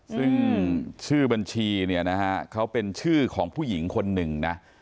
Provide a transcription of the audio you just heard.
ซึ่งชื่อบัญชีเนี่ยนะฮะเขาเป็นชื่อของผู้หญิงคนหนึ่งนะ